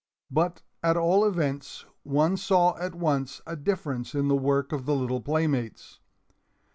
But, at all events, one saw at once a difference in the work of the little playmates.